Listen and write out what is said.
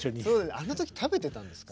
あの時食べてたんですか？